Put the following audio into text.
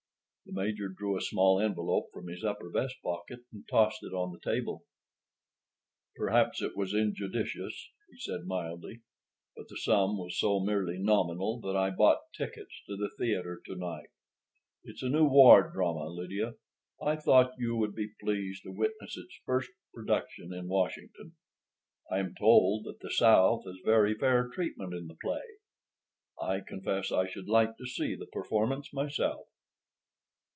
The Major drew a small envelope from his upper vest pocket and tossed it on the table. "Perhaps it was injudicious," he said mildly, "but the sum was so merely nominal that I bought tickets to the theater to night. It's a new war drama, Lydia. I thought you would be pleased to witness its first production in Washington. I am told that the South has very fair treatment in the play. I confess I should like to see the performance myself."